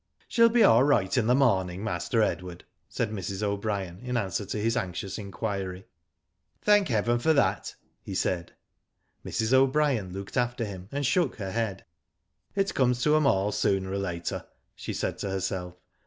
" She'll be all right in the morning. Master Ed ward," said Mrs. O'Brien, in answer to his anxious inquiry. Digitized byGoogk A RATTLING GALLOP. iii "Thank heaven for that," he said. Mrs. O'Brien looked after him, and shook her head. " It comes to 'em all sooner or later/' she said to herself.